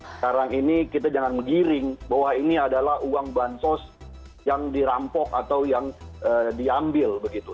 sekarang ini kita jangan menggiring bahwa ini adalah uang bansos yang dirampok atau yang diambil begitu